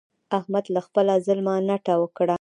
احمد له خپله ظلمه نټه وکړه.